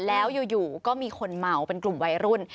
แล้วอยู่ก็มีคนเมาเป็นกลุ่มวัยรุ่น